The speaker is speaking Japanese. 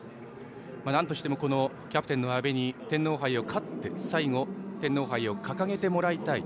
なんとしてもキャプテンの阿部に天皇杯を勝って最後、天皇杯を掲げてもらいたい。